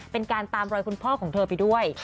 เป็นการตามรอยคุณพ่อของเธอไปด้วย